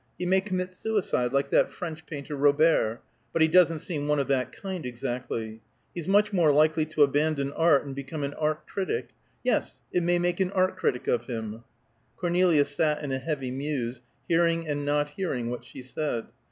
He may commit suicide, like that French painter, Robert; but he doesn't seem one of that kind, exactly; he's much more likely to abandon art and become an art critic. Yes, it may make an art critic of him." Cornelia sat in a heavy muse, hearing and not hearing what she said.